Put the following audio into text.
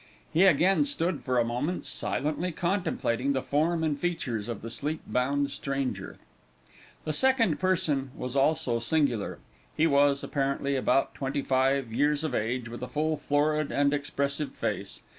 He again stood for a moment, silently contemplating the form and features of the sleep bound stranger. The second person was also singular. He was, apparently, about twenty five years of age, with a full, florid, and expressive face.